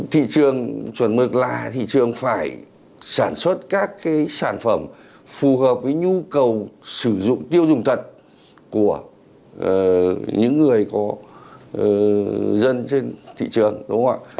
thị trường chuẩn mực là thị trường phải sản xuất các sản phẩm phù hợp với nhu cầu sử dụng tiêu dùng thật của những người có dân trên thị trường đúng không ạ